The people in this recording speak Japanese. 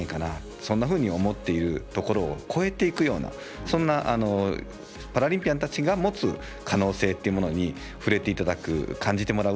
そんなふうに思っているところを超えていくようなそんなパラリンピアンたちが持つ可能性というものに触れていただく感じてもらう